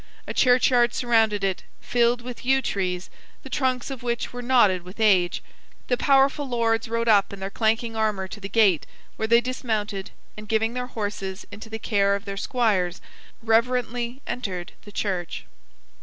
A churchyard surrounded it, filled with yew trees, the trunks of which were knotted with age. The powerful lords rode up in their clanking armor to the gate, where they dismounted, and giving their horses into the care of their squires, reverently entered the church.